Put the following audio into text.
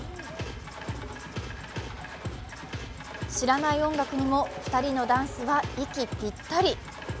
知らない音楽にも２人のダンスは息ぴったり。